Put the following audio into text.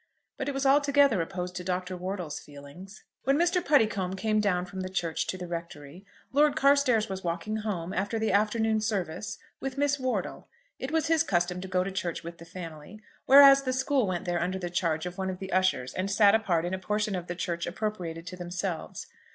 But it was altogether opposed to Dr. Wortle's feelings. When Mr. Puddicombe came down from the church to the rectory, Lord Carstairs was walking home after the afternoon service with Miss Wortle. It was his custom to go to church with the family, whereas the school went there under the charge of one of the ushers and sat apart in a portion of the church appropriated to themselves.